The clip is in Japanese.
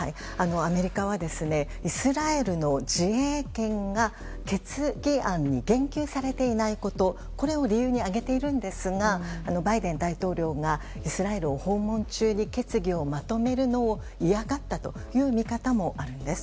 アメリカはイスラエルの自衛権が決議案に言及されていないことこれを理由に挙げているんですがバイデン大統領がイスラエルを訪問中に決議をまとめるのを嫌がったという見方もあるんです。